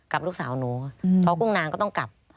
กับลูกสาวหนูเพราะกุ้งนางก็ต้องกลับ